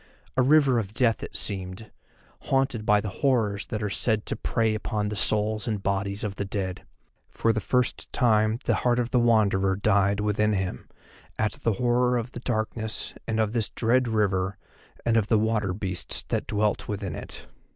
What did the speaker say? A River of Death it seemed, haunted by the horrors that are said to prey upon the souls and bodies of the Dead. For the first time the heart of the Wanderer died within him, at the horror of the darkness and of this dread river and of the water beasts that dwelt within it.